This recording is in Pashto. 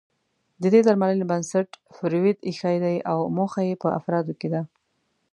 د دې درملنې بنسټ فرویډ اېښی دی او موخه يې په افرادو کې د